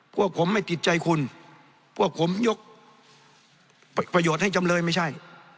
พวกผมไม่ติดใจคุณพวกผมยกประโยชน์ให้จำเลยไม่ใช่